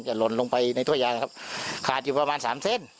หล่นลงไปในถ้วยยางนะครับขาดอยู่ประมาณสามเส้น